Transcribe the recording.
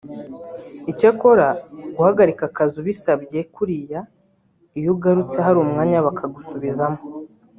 icyakora ngo guhagarika akazi ubisabye kuriya iyo ugarutse hari umwanya bakagusubizamo